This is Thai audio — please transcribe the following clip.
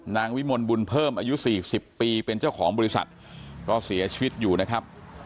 วิมลบุญเพิ่มอายุ๔๐ปีเป็นเจ้าของบริษัทก็เสียชีวิตอยู่นะครับ